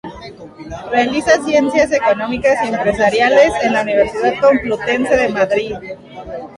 Realiza Ciencias Económicas y Empresariales en la Universidad Complutense de Madrid.